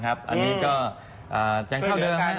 อันนี้ก็ยังเท่าเดิม